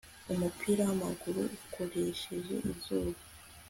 umupira wamaguru ukoresheje izuba